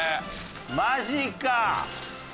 マジか！